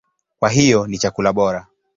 Kwa hiyo ni chakula bora.